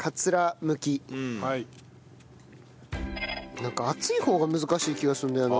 なんか厚い方が難しい気がするんだよな。